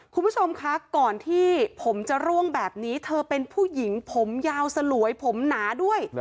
คุณผู้ชมคะก่อนที่ผมจะร่วงแบบนี้เธอเป็นผู้หญิงผมยาวสลวยผมหนาด้วย